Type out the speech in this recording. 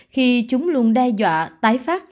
khi chúng luôn đe dọa tái phát